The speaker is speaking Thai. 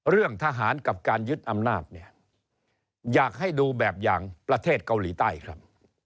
เรื่องทหารกับการยึดอำนาจเนี่ยอยากให้ดูแบบอย่างประเทศเกาหลีใต้ครับ